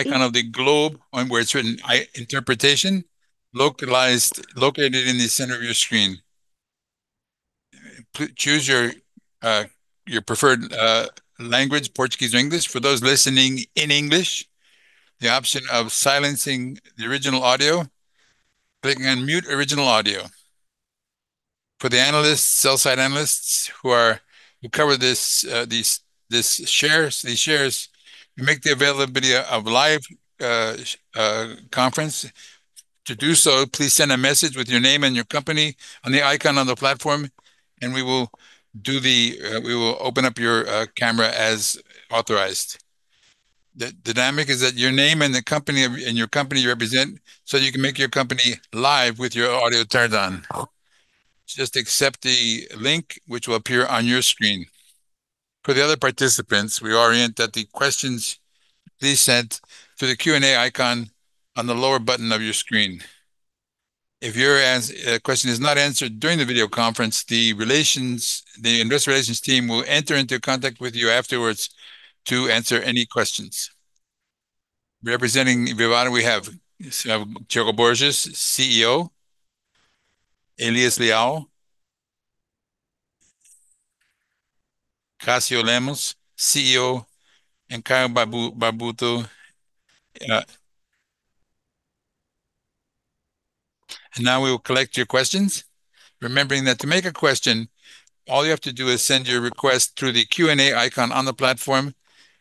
Icon of the globe on where it's written interpretation, located in the center of your screen. Choose your preferred language, Portuguese or English. For those listening in English, the option of silencing the original audio, click on Mute Original Audio. For the analysts, sell-side analysts who cover these shares, you make the availability of live conference. To do so, please send a message with your name and your company on the icon on the platform, and we will open up your camera as authorized. The dynamic is that your name and the company and your company you represent, so you can make your company live with your audio turned on. Just accept the link which will appear on your screen. For the other participants, we orient that the questions please send through the Q&A icon on the lower button of your screen. If your question is not answered during the video conference, the Investor Relations team will enter into contact with you afterwards to answer any questions. Representing Vivara we have Thiago Borges, CEO, Elias Leal, Cassiano Lemos, COO, and Caio Barbuto. Now we will collect your questions. Remembering that to make a question, all you have to do is send your request through the Q&A icon on the platform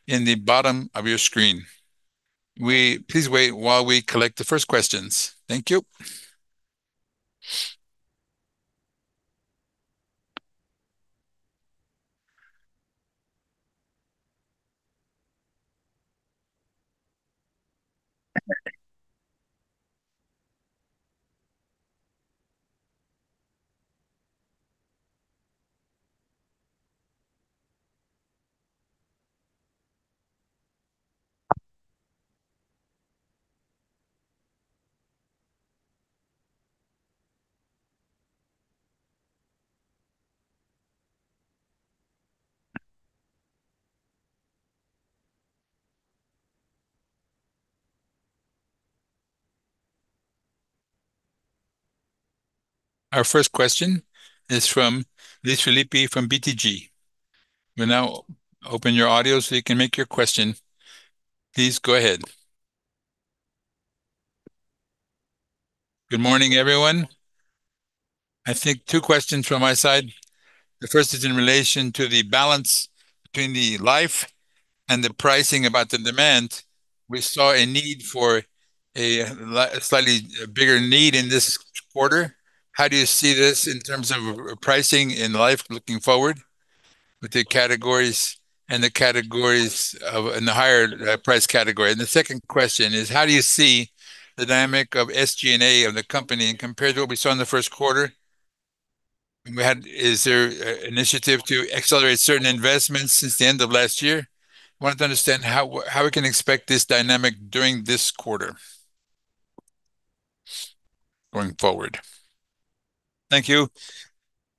in the bottom of your screen. Please wait while we collect the first questions. Thank you. Our first question is from Luiz Felipe Guanais from BTG Pactual. We now open your audio, so you can make your question. Please go ahead. Good morning, everyone. I think two questions from my side. The first is in relation to the balance between the Life and the pricing about the demand. We saw a slightly bigger need in this quarter. How do you see this in terms of pricing in Life looking forward with the categories and the higher price category? The second question is how do you see the dynamic of SG&A of the company compared to what we saw in the first quarter? I mean, is there a initiative to accelerate certain investments since the end of last year? Wanted to understand how we can expect this dynamic during this quarter going forward. Thank you.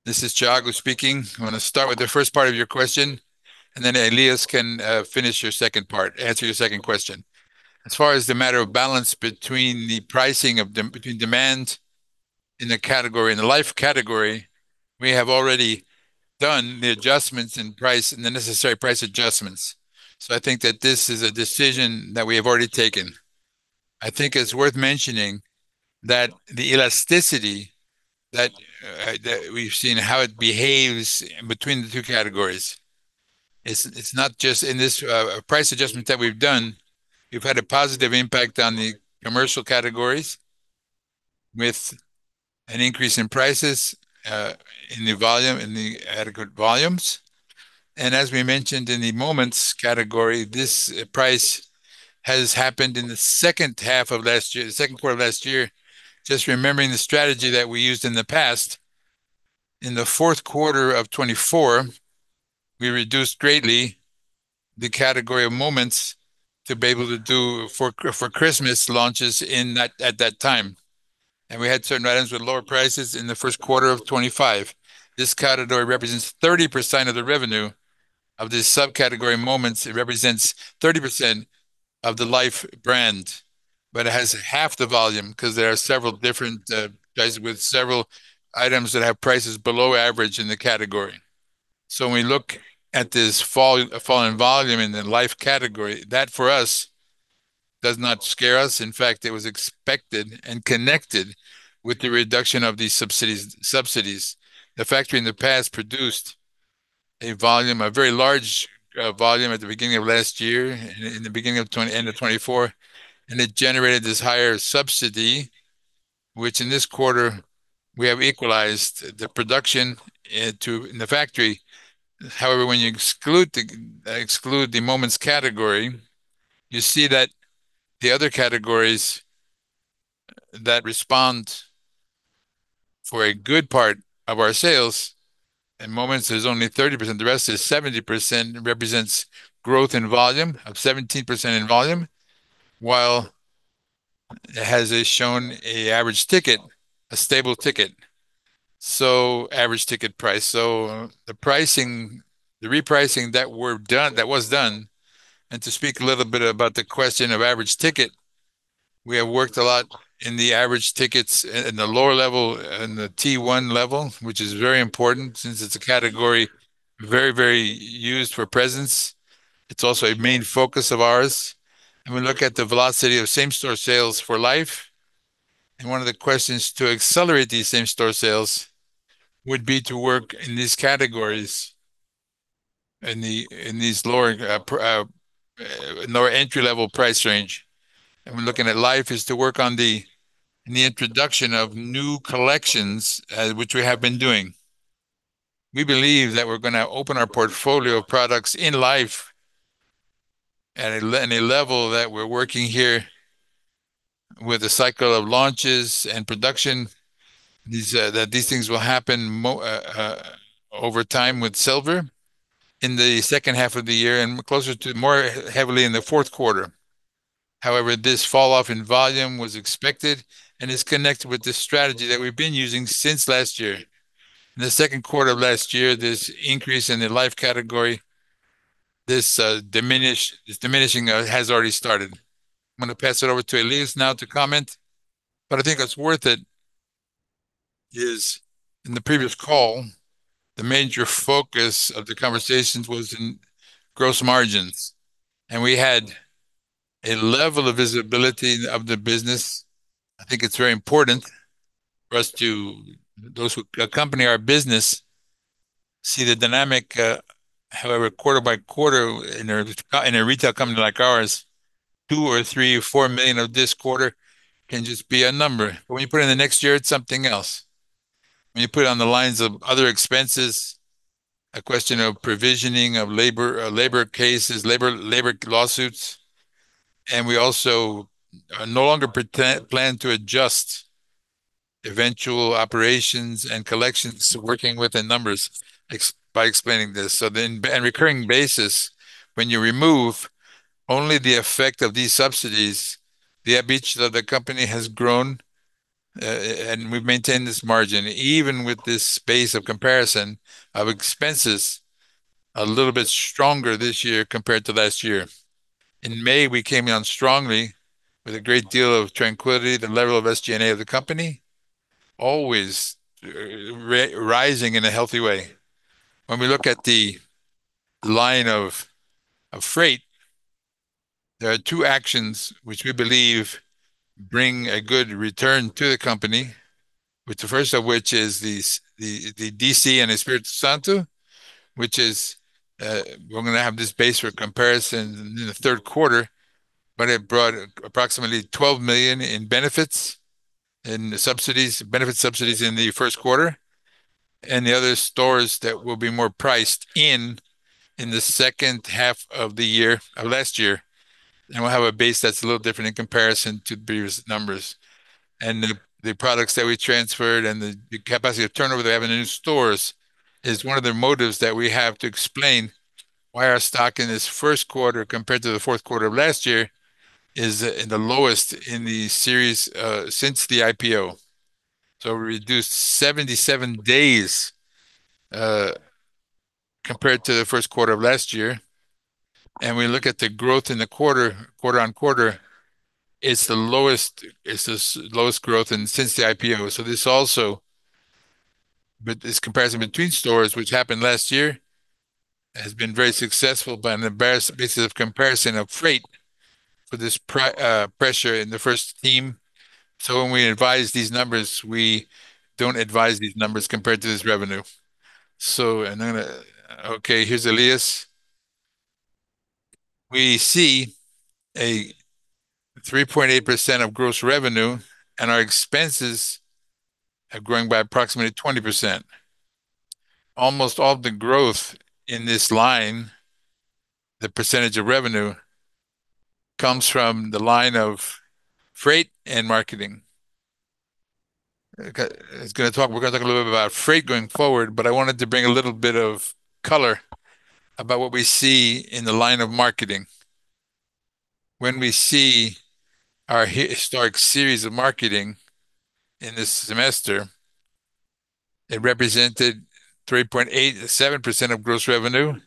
This is Thiago speaking. I'm gonna start with the first part of your question, then Elias can finish your second part, answer your second question. As far as the matter of balance between the pricing between demand in the category, in the Life category, we have already done the adjustments in price, and the necessary price adjustments. I think that this is a decision that we have already taken. I think it's worth mentioning that the elasticity that we've seen how it behaves between the two categories, it's not just in this price adjustment that we've done. We've had a positive impact on the commercial categories with an increase in prices, in the volume, in the adequate volumes. As we mentioned in the Moments category, this price has happened in the 2nd half of last year, the 2nd quarter of last year. Just remembering the strategy that we used in the past, in the fourth quarter of 2024, we reduced greatly the category of Moments to be able to do for Christmas launches at that time. We had certain items with lower prices in the first quarter of 2025. This category represents 30% of the revenue. Of the subcategory Moments, it represents 30% of the Life brand, but it has half the volume because there are several different guys with several items that have prices below average in the category. When we look at this fallen volume in the Life category, that for us does not scare us. In fact, it was expected and connected with the reduction of these subsidies. The factory in the past produced a volume, a very large volume at the beginning of last year and in the end of 2024, and it generated this higher subsidy, which in this quarter we have equalized the production to in the factory. However, when you exclude the Moments category, you see that the other categories that respond for a good part of our sales, in Moments there's only 30%, the rest is 70% represents growth in volume, of 17% in volume, while it has shown a average ticket, a stable ticket, so average ticket price. The pricing, the repricing that was done, and to speak a little bit about the question of average ticket. We have worked a lot in the average tickets in the lower level, in the Tier 1 level, which is very important since it's a category very used for presence. It's also a main focus of ours. We look at the velocity of same-store sales for Life. One of the questions to accelerate these same-store sales would be to work in these categories, in these lower entry-level price range. We're looking at Life is to work on the introduction of new collections, which we have been doing. We believe that we're gonna open our portfolio of products in Life at a level that we're working here with a cycle of launches and production. These that these things will happen over time with Silver in the second half of the year and closer to more heavily in the fourth quarter. However, this fall off in volume was expected and is connected with the strategy that we've been using since last year. In the second quarter of last year, this increase in the Life category, this diminishing has already started. I'm gonna pass it over to Elias now to comment. I think it's worth it, is in the previous call, the major focus of the conversations was in gross margins, and we had a level of visibility of the business. I think it's very important for us to those who accompany our business see the dynamic, however, quarter by quarter in a retail company like ours, 2 or 3, 4 million of this quarter can just be a number. When you put it in the next year, it's something else. When you put it on the lines of other expenses, a question of provisioning, of labor cases, labor lawsuits. We also are no longer plan to adjust eventual operations and collections working with the numbers by explaining this. And recurring basis, when you remove only the effect of these subsidies, the EBIT that the company has grown, and we've maintained this margin even with this space of comparison of expenses a little bit stronger this year compared to last year. In May, we came in on strongly with a great deal of tranquility, the level of SG&A of the company always rising in a healthy way. When we look at the line of freight, there are two actions which we believe bring a good return to the company. Which the 1st of which is the DC in Espírito Santo, which is, we're gonna have this base for comparison in the 3rd quarter, but it brought approximately 12 million in benefits, in subsidies, benefit subsidies in the 1st quarter. The other stores that will be more priced in in the 2nd half of the year, of last year, and we'll have a base that's a little different in comparison to previous numbers. The products that we transferred and the capacity of turnover they have in the new stores is one of the motives that we have to explain why our stock in this first quarter compared to the fourth quarter of last year is in the lowest in the series since the IPO. Reduced 77 days compared to the first quarter of last year. We look at the growth in the quarter-over-quarter, it's the lowest, it's the lowest growth since the IPO. This also, with this comparison between stores, which happened last year, has been very successful, but on a bare basis of comparison of freight for this pressure in the first team. When we advise these numbers, we don't advise these numbers compared to this revenue. Okay, here's Elias. We see a 3.8% of gross revenue, and our expenses are growing by approximately 20%. Almost all of the growth in this line, the percentage of revenue, comes from the line of freight and marketing. We are going to talk a little bit about freight going forward, but I wanted to bring a little bit of color about what we see in the line of marketing. When we see our historic series of marketing in this semester, it represented 3.87% of gross revenue,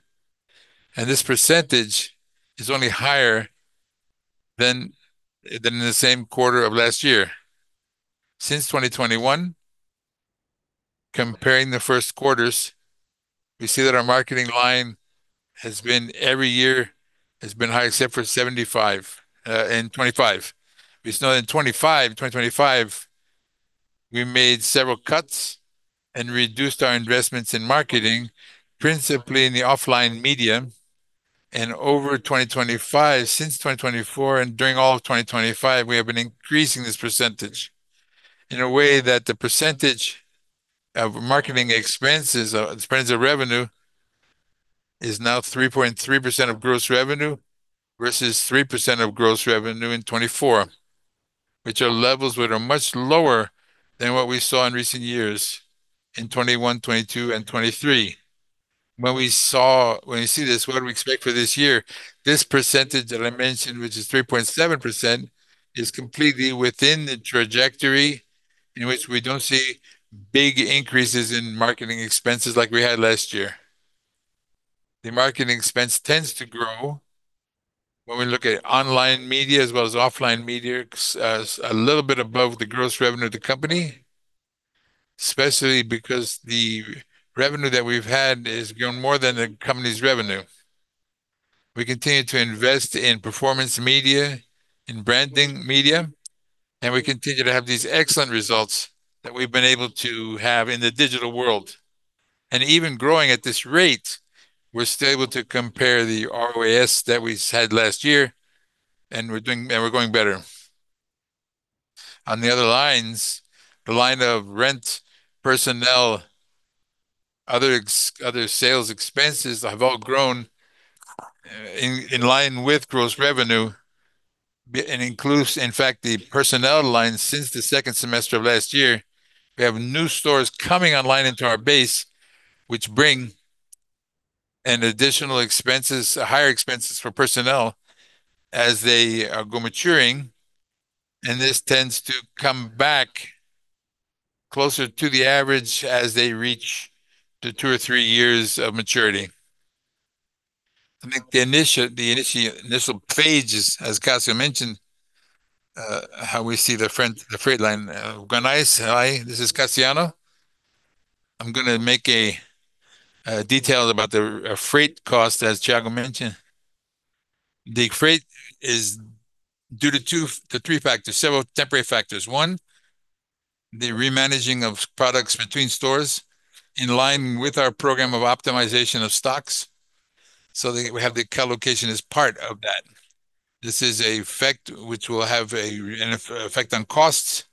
and this percentage is only higher than the same quarter of last year. Since 2021, comparing the first quarters, we see that our marketing line has been every year has been high except for in 2025. We saw in 2025, we made several cuts and reduced our investments in marketing, principally in the offline medium. Over 2025, since 2024 and during all of 2025, we have been increasing this percentage in a way that the percentage of marketing expenses, expense of revenue is now 3.3% of gross revenue versus 3% of gross revenue in 2024, which are levels that are much lower than what we saw in recent years in 2021, 2022, and 2023. When you see this, what do we expect for this year? This percentage that I mentioned, which is 3.7%, is completely within the trajectory in which we don't see big increases in marketing expenses like we had last year. The marketing expense tends to grow when we look at online media as well as offline media a little bit above the gross revenue of the company, especially because the revenue that we've had has grown more than the company's revenue. We continue to invest in performance media, in branding media. We continue to have these excellent results that we've been able to have in the digital world. Even growing at this rate, we're still able to compare the ROAS that we had last year. We're going better. On the other lines, the line of rent, personnel, other sales expenses have all grown in line with gross revenue and includes, in fact, the personnel line since the 2nd semester of last year. We have new stores coming online into our base, which bring an additional expenses, higher expenses for personnel as they go maturing, and this tends to come back closer to the average as they reach the two or three years of maturity. I think the initial page, as Cassiano mentioned, how we see the freight line. Guanais, Hi. This is Cassiano. I'm gonna make a detail about the freight cost, as Thiago mentioned. The freight is due to three factors, several temporary factors. One, the re-managing of products between stores in line with our program of optimization of stocks, we have the co-location as part of that. This is an effect which will have an effect on costs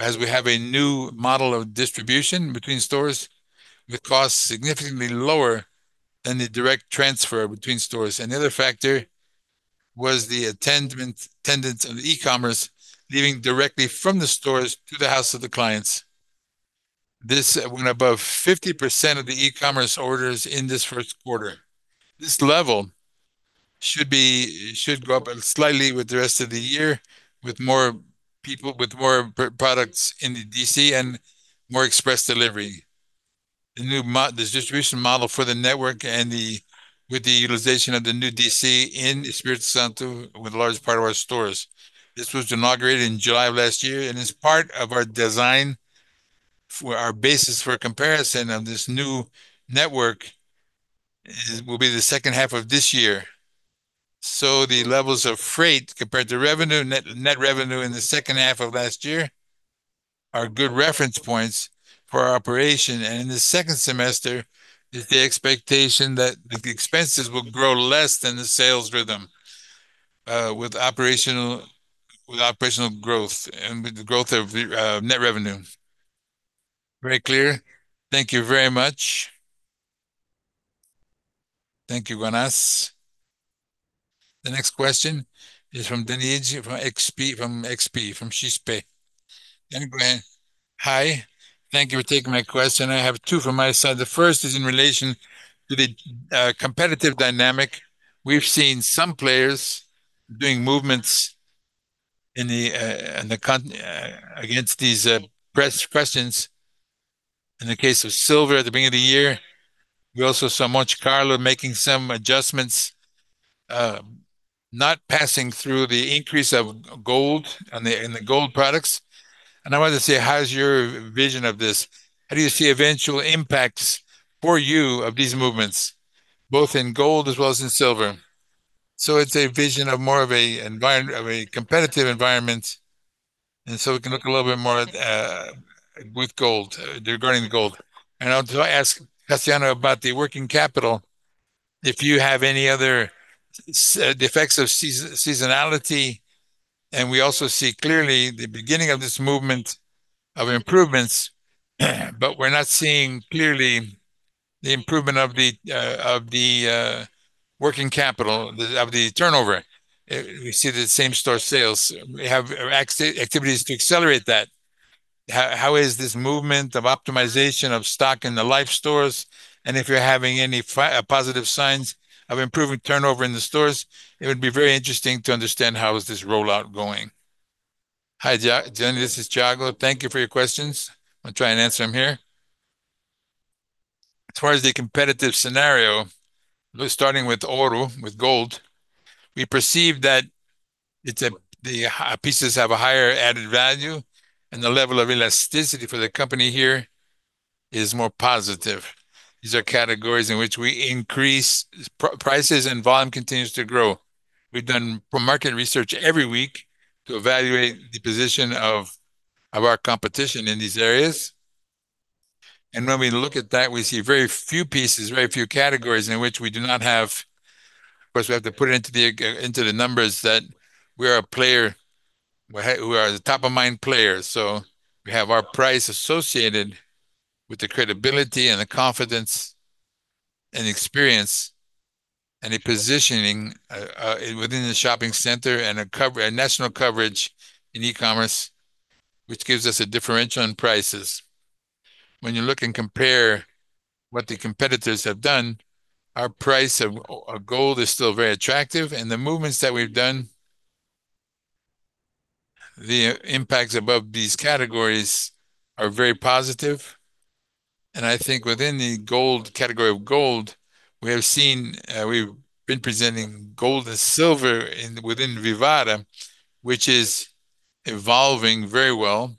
as we have a new model of distribution between stores with costs significantly lower than the direct transfer between stores. The other factor was the attendance of the e-commerce leaving directly from the stores to the house of the clients. This went above 50% of the e-commerce orders in this 1st quarter. This level should go up slightly with the rest of the year with more people, with more products in the DC and more express delivery. This distribution model for the network and with the utilization of the new DC in Espírito Santo with a large part of our stores. This was inaugurated in July of last year. As part of our design for our basis for comparison of this new network will be the 2nd half of this year. The levels of freight compared to revenue, net revenue in the 2nd half of last year are good reference points for our operation. In the 2nd semester is the expectation that the expenses will grow less than the sales rhythm, with operational growth and with the growth of the net revenue. Very clear. Thank you very much. Thank you, Guanais. The next question is from Danni Eiger from XP. Go ahead. Hi. Thank you for taking my question. I have two from my side. The first is in relation to the competitive dynamic. We've seen some players doing movements in the against these questions. In the case of silver at the beginning of the year, we also saw Monte Carlo making some adjustments, not passing through the increase of gold in the gold products. I wanted to say, how is your vision of this? How do you see eventual impacts for you of these movements, both in gold as well as in silver? It's a vision of more of a competitive environment, we can look a little bit more with gold regarding gold. I'll do ask Cassiano about the working capital, if you have any other effects of seasonality. We also see clearly the beginning of this movement of improvements, but we're not seeing clearly the improvement of the working capital, of the turnover. We see the same-store sales. We have activities to accelerate that. How is this movement of optimization of stock in the Life stores? If you're having any positive signs of improving turnover in the stores, it would be very interesting to understand how is this rollout going. Hi, Danni. This is Thiago. Thank you for your questions. I'll try and answer them here. Far as the competitive scenario, we're starting with ouro, with gold. We perceive that the pieces have a higher added value, the level of elasticity for the company here is more positive. These are categories in which we increase prices and volume continues to grow. We've done market research every week to evaluate the position of our competition in these areas. When we look at that, we see very few pieces, very few categories in which we do not have. Of course, we have to put it into the numbers that we are a player. We are the top-of-mind player, so we have our price associated with the credibility and the confidence and experience. A positioning within the shopping center and a national coverage in e-commerce, which gives us a differential in prices. When you look and compare what the competitors have done, our price of gold is still very attractive. The movements that we've done, the impacts above these categories are very positive. I think within the gold, category of gold, we have seen, we've been presenting gold and silver within Vivara, which is evolving very well.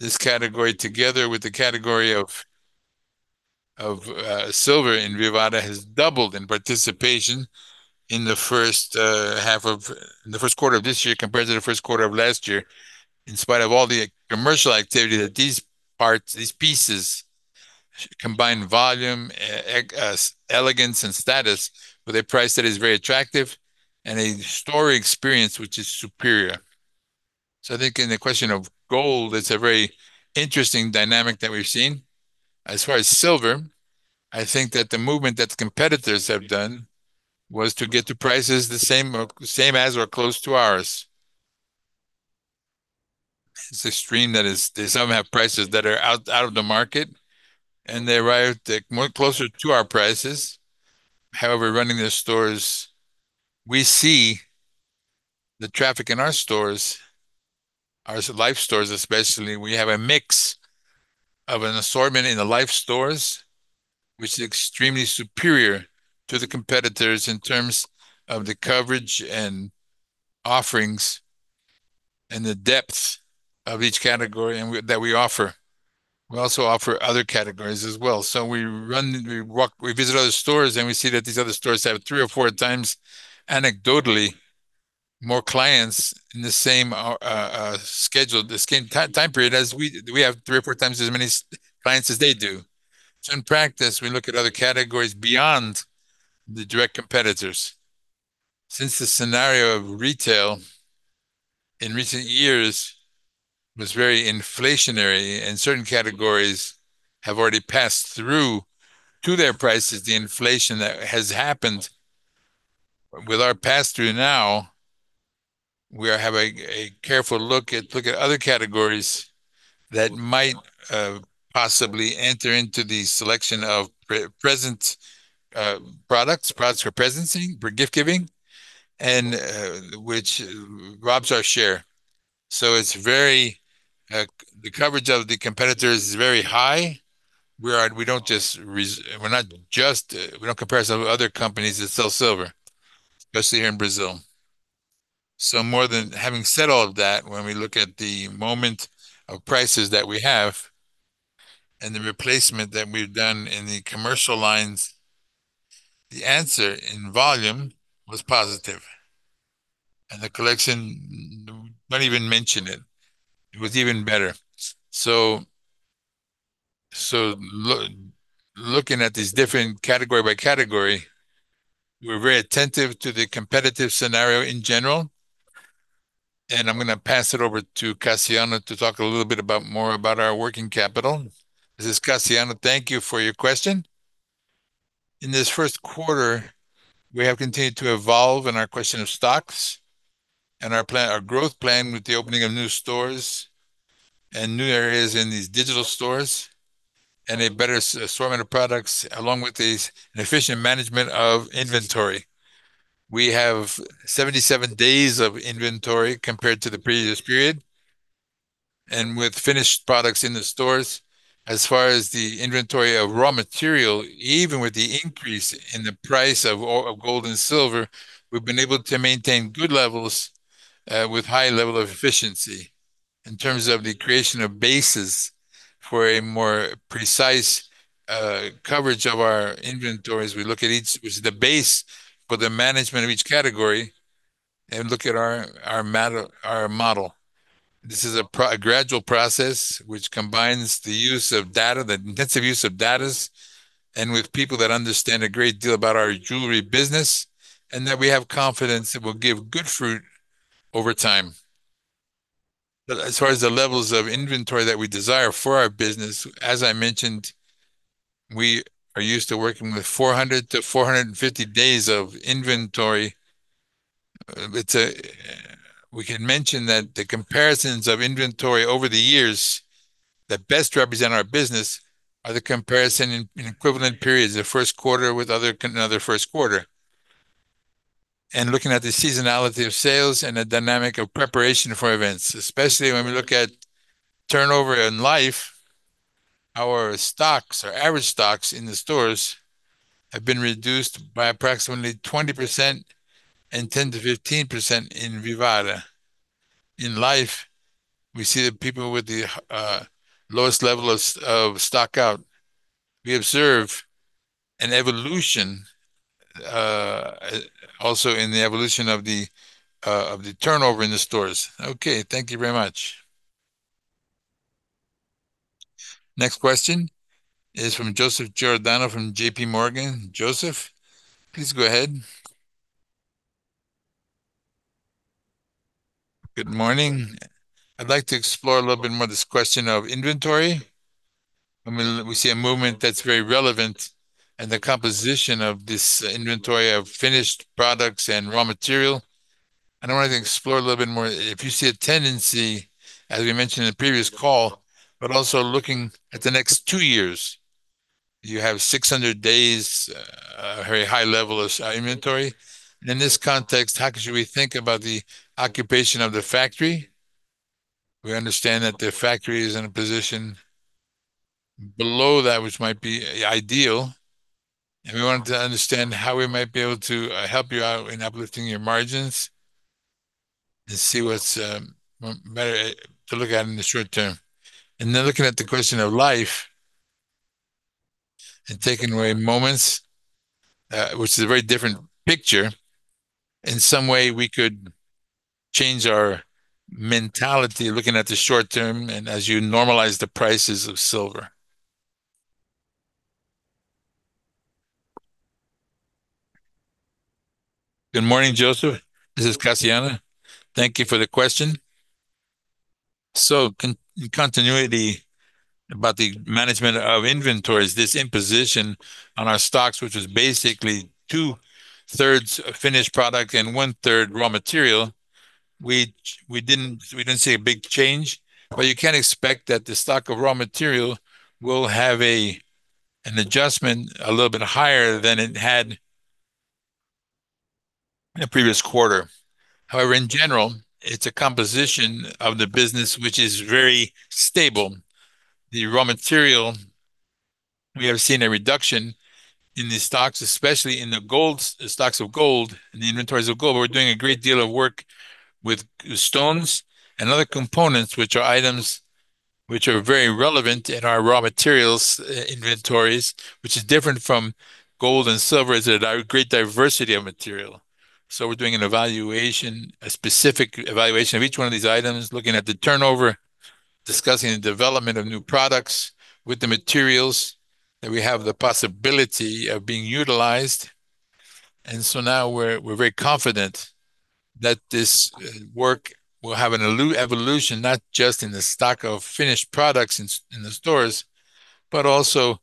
This category together with the category of silver in Vivara has doubled in participation in the first quarter of this year compared to the first quarter of last year. In spite of all the commercial activity that these pieces combine volume, elegance and status with a price that is very attractive and a store experience which is superior. I think in the question of gold, it's a very interesting dynamic that we've seen. As far as silver, I think that the movement that competitors have done was to get to prices the same as or close to ours. It's extreme that is, they somehow have prices that are out of the market, they arrive to more closer to our prices. Running their stores, we see the traffic in our stores, our Life stores especially, we have a mix of an assortment in the Life stores which is extremely superior to the competitors in terms of the coverage and offerings and the depth of each category that we offer. We also offer other categories as well. We run, we walk, we visit other stores, and we see that these other stores have 3 or 4 times. Anecdotally, more clients in the same schedule, the same time period as we do. We have 3 or 4 times as many clients as they do. In practice, we look at other categories beyond the direct competitors. Since the scenario of retail in recent years was very inflationary and certain categories have already passed through to their prices the inflation that has happened, with our pass through now, we have a careful look at other categories that might possibly enter into the selection of pre-presents, products for presenting, for gift giving, and which robs our share. It's very, the coverage of the competitors is very high. We don't just compare other companies that sell silver, especially here in Brazil. More than having said all of that, when we look at the moment of prices that we have and the replacement that we've done in the commercial lines, the answer in volume was positive, and the collection, not even mention it. It was even better. Looking at these different category by category, we're very attentive to the competitive scenario in general, and I'm gonna pass it over to Cassiano to talk a little bit about more about our working capital. This is Cassiano. Thank you for your question. In this first quarter, we have continued to evolve in our question of stocks and our plan, our growth plan with the opening of new stores and new areas in these digital stores and a better assortment of products, along with these, an efficient management of inventory. We have 77 days of inventory compared to the previous period, and with finished products in the stores as far as the inventory of raw material, even with the increase in the price of all, of gold and silver, we've been able to maintain good levels with high level of efficiency. In terms of the creation of bases for a more precise coverage of our inventory as we look at each, which is the base for the management of each category, and look at our matter, our model. This is a gradual process which combines the use of data, the intensive use of data, and with people that understand a great deal about our jewelry business, and that we have confidence it will give good fruit over time. As far as the levels of inventory that we desire for our business, as I mentioned, we are used to working with 400 to 450 days of inventory. We can mention that the comparisons of inventory over the years that best represent our business are the comparison in equivalent periods, the first quarter with another first quarter. Looking at the seasonality of sales and the dynamic of preparation for events, especially when we look at turnover in Life, our stocks, our average stocks in the stores have been reduced by approximately 20% and 10%-15% in Vivara. In Life, we see the people with the lowest level of stock out. We observe an evolution also in the evolution of the turnover in the stores. Okay, thank you very much. Next question is from Joseph Giordano from JPMorgan. Joseph, please go ahead. Good morning. I'd like to explore a little bit more this question of inventory. I mean, we see a movement that's very relevant and the composition of this inventory of finished products and raw material. I wanted to explore a little bit more if you see a tendency, as we mentioned in the previous call, but also looking at the next two years. You have 600 days, a very high level of inventory. In this context, how should we think about the occupation of the factory? We understand that the factory is in a position below that which might be ideal, and we wanted to understand how we might be able to help you out in uplifting your margins and see what's better to look at in the short term. Then looking at the question of Life and taking away Moments, which is a very different picture, in some way, we could change our mentality looking at the short term and as you normalize the prices of silver. Good morning, Joseph. This is Cassiano. Thank you for the question. Continuity about the management of inventories, this imposition on our stocks, which is basically 2/3 finished product and 1/3 raw material, we didn't see a big change. You can expect that the stock of raw material will have an adjustment a little bit higher than it had in the previous quarter. However, in general, it's a composition of the business which is very stable. The raw material, we have seen a reduction in the stocks, especially in the stocks of gold, in the inventories of gold. We're doing a great deal of work with stones and other components, which are items which are very relevant in our raw materials inventories, which is different from gold and silver. There's a great diversity of material. We're doing an evaluation, a specific evaluation of each one of these items, looking at the turnover, discussing the development of new products with the materials that we have the possibility of being utilized. We're very confident that this work will have an evolution, not just in the stock of finished products in the stores, but also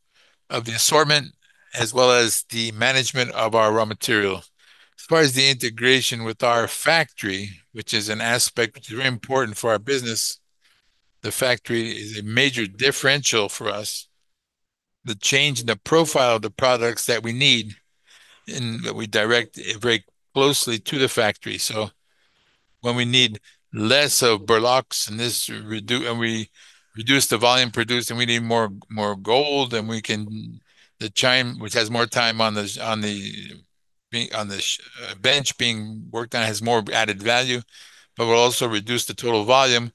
of the assortment as well as the management of our raw material. As far as the integration with our factory, which is an aspect which is very important for our business, the factory is a major differential for us. The change in the profile of the products that we need and that we direct very closely to the factory. When we need less of berloques and we reduce the volume produced, and we need more gold, then we can the time which has more time on the bench being worked on has more added value, but we'll also reduce the total volume.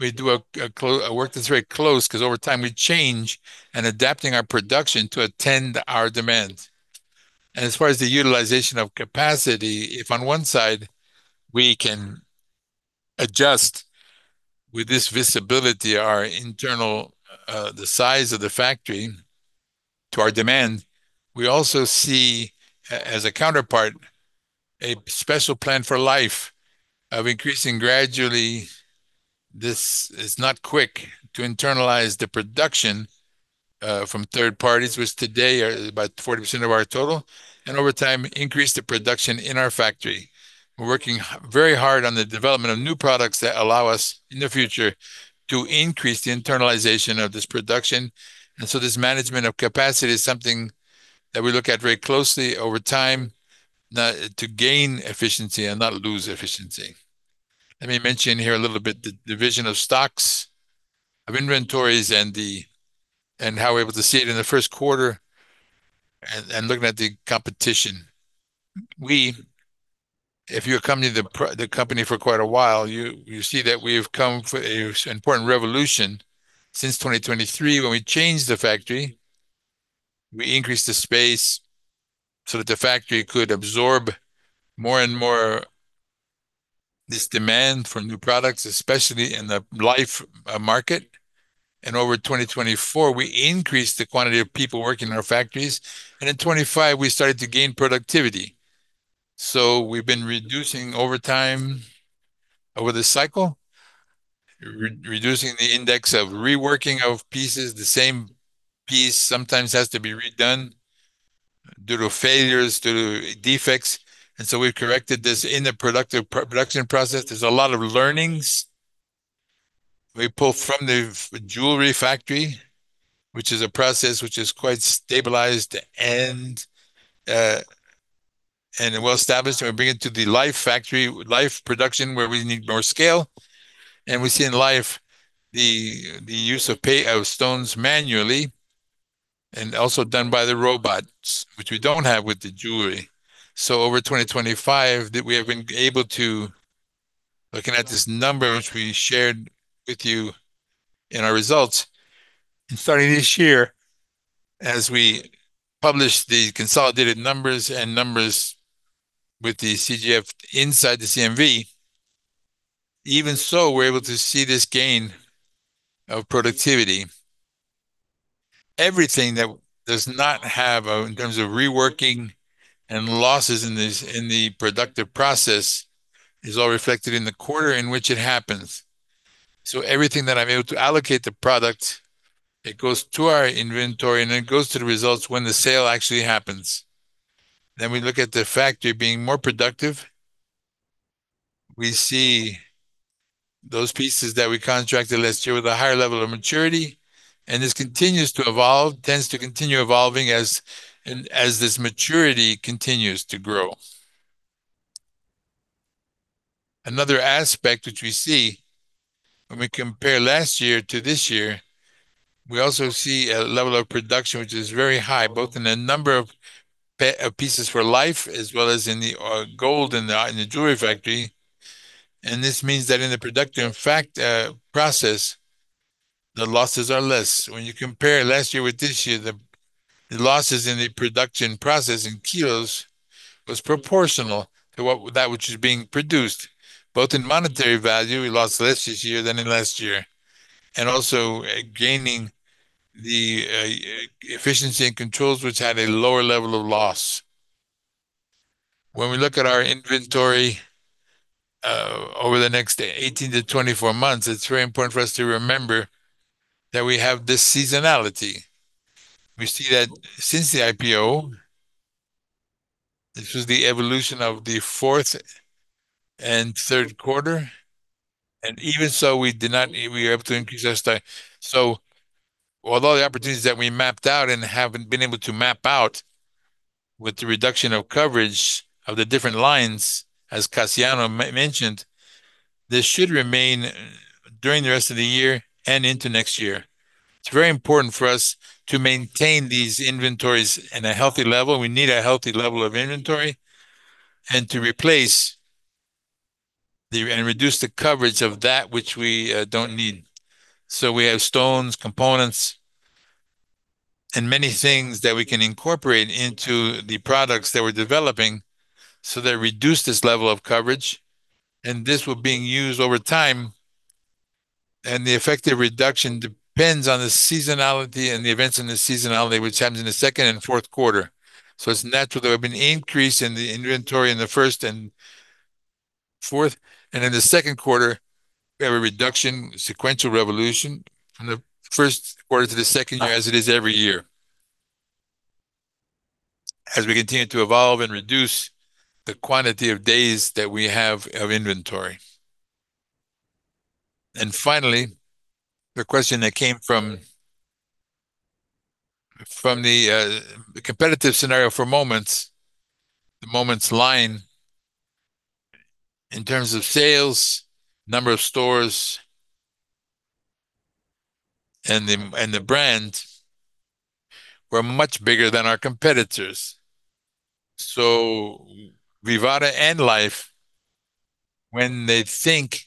We do a work that's very close because over time we change and adapting our production to attend our demands. As far as the utilization of capacity, if on one side we can adjust with this visibility our internal, the size of the factory to our demand, we also see as a counterpart a special plan for Life of increasing gradually. This is not quick to internalize the production from third parties, which today are about 40% of our total, and over time increase the production in our factory. We're working very hard on the development of new products that allow us in the future to increase the internalization of this production. This management of capacity is something that we look at very closely over time to gain efficiency and not lose efficiency. Let me mention here a little bit the division of stocks, of inventories and how we're able to see it in the first quarter and looking at the competition. If you're coming to the company for quite a while, you see that we've come for a important revolution since 2023 when we changed the factory. We increased the space so that the factory could absorb more and more this demand for new products, especially in the Life market. Over 2024, we increased the quantity of people working in our factories. In 2025, we started to gain productivity. We've been reducing overtime over the cycle, re-reducing the index of reworking of pieces. The same piece sometimes has to be redone due to failures, due to defects. We've corrected this in the production process. There's a lot of learnings we pull from the jewelry factory, which is a process which is quite stabilized and well-established, and we bring it to the Life factory, Life production, where we need more scale. We see in Life the use of stones manually and also done by the robots, which we don't have with the jewelry. Over 2025, we have been able to, looking at this number which we shared with you in our results. Starting this year, as we publish the consolidated numbers and numbers with the CGF inside the CMV, even so, we're able to see this gain of productivity. Everything that does not have in terms of reworking and losses in this, in the productive process is all reflected in the quarter in which it happens. Everything that I'm able to allocate the product, it goes to our inventory, and it goes to the results when the sale actually happens. We look at the factory being more productive. We see those pieces that we contracted last year with a higher level of maturity, and this continues to evolve, tends to continue evolving as this maturity continues to grow. Another aspect which we see when we compare last year to this year, we also see a level of production which is very high, both in the number of pieces for Life as well as in the gold in the jewelry factory. This means that in the production process, the losses are less. When you compare last year with this year, the losses in the production process in kilos was proportional to what, that which is being produced. Both in monetary value, we lost less this year than in last year, and also gaining the efficiency and controls which had a lower level of loss. When we look at our inventory, over the next 18 to 24 months, it's very important for us to remember that we have this seasonality. We see that since the IPO, this was the evolution of the fourth and third quarter, even so, we were able to increase our stock. With all the opportunities that we mapped out and haven't been able to map out with the reduction of coverage of the different lines, as Cassiano mentioned, this should remain during the rest of the year and into next year. It's very important for us to maintain these inventories in a healthy level. We need a healthy level of inventory, to replace the and reduce the coverage of that which we don't need. We have stones, components, and many things that we can incorporate into the products that we're developing so that reduce this level of coverage. This will be used over time, and the effective reduction depends on the seasonality and the events in the seasonality, which happens in the second and fourth quarter. It's natural there will be an increase in the inventory in the first and fourth. In the second quarter, we have a reduction, sequential reduction from the first quarter to the second quarter as it is every year. We continue to evolve and reduce the quantity of days that we have of inventory. Finally, the question that came from the competitive scenario for Moments, the Moments line in terms of sales, number of stores and the, and the brand were much bigger than our competitors. Vivara and Life, when they think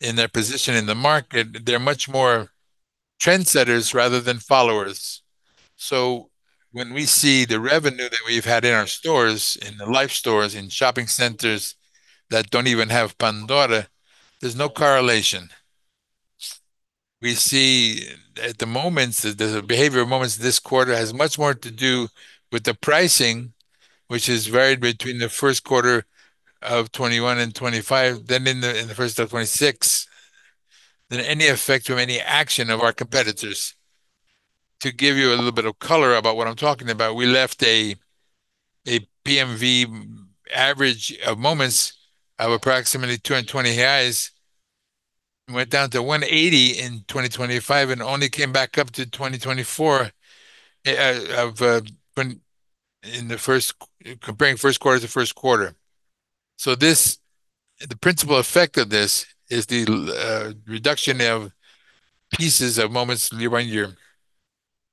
in their position in the market, they're much more trendsetters rather than followers. When we see the revenue that we've had in our stores, in the Life stores, in shopping centers that don't even have Pandora, there's no correlation. We see at the Moments, the behavior of Moments this quarter has much more to do with the pricing, which has varied between the first quarter of 2021 and 2025 than in the first of 2026 than any effect from any action of our competitors. To give you a little bit of color about what I'm talking about, we left a PMV average of Moments of approximately 220, went down to 180 in 2025, and only came back up to 2024 when, in the first, comparing first quarter to first quarter. This, the principal effect of this is the reduction of pieces of Moments year-on-year.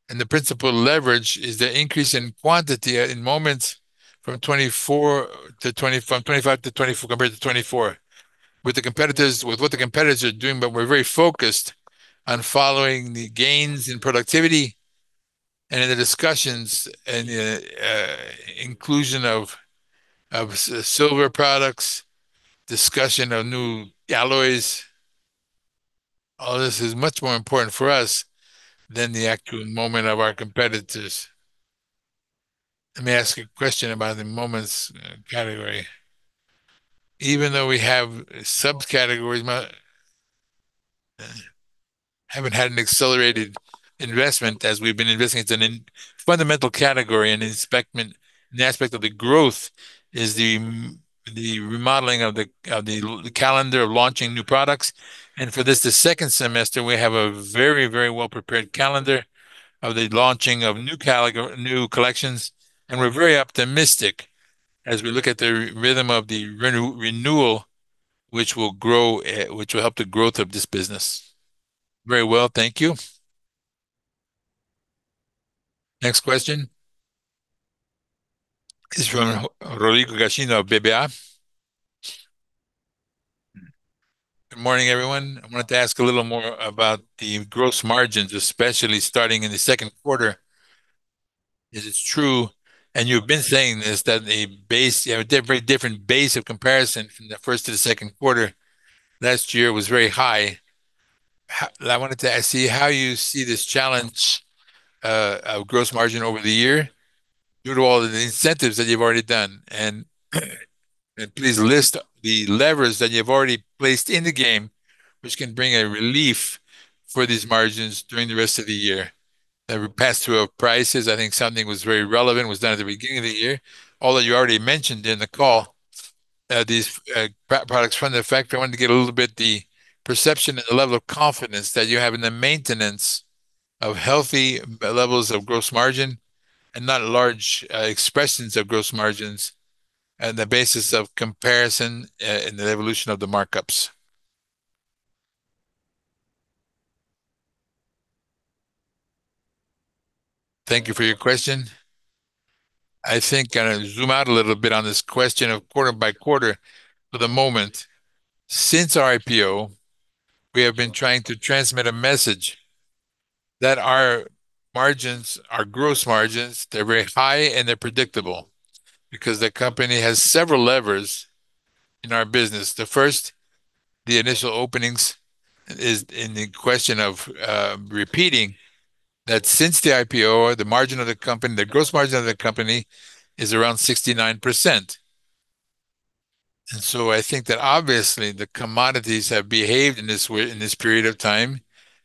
The principal leverage is the increase in quantity in Moments from 2024 to 2025 to 2024 compared to 2024. With what the competitors are doing, we're very focused on following the gains in productivity and in the discussions and the inclusion of silver products, discussion of new alloys. All this is much more important for us than the actual moment of our competitors. Let me ask a question about the Moments. Even though we have sub-categories haven't had an accelerated investment as we've been investing, it's a fundamental category, an investment in the aspect of the growth is the remodeling of the calendar of launching new products. For this, the second semester, we have a very, very well-prepared calendar of the launching of new collections, and we're very optimistic as we look at the rhythm of the renewal which will grow, which will help the growth of this business. Very well. Thank you. Next question. This is from of BBA. Good morning, everyone. I wanted to ask a little more about the gross margins, especially starting in the 2nd quarter. Is it true, and you've been saying this, that the base, you have a very different base of comparison from the 1st to the 2nd quarter last year was very high? I wanted to ask you how you see this challenge of gross margin over the year due to all of the incentives that you've already done. Please list the levers that you've already placed in the game which can bring a relief for these margins during the rest of the year. The pass-through of prices, I think something was very relevant, was done at the beginning of the year. Although you already mentioned in the call, these products from the factory, I wanted to get a little bit the perception and the level of confidence that you have in the maintenance of healthy levels of gross margin and not large expressions of gross margins and the basis of comparison in the evolution of the markups. Thank you for your question. I think I'm gonna zoom out a little bit on this question of quarter by quarter for the moment. Since our IPO, we have been trying to transmit a message that our margins, our gross margins, they're very high and they're predictable because the company has several levers in our business. The first, the initial openings is in the question of repeating, that since the IPO, the margin of the company, the gross margin of the company is around 69%. I think that obviously the commodities have behaved in this period of time,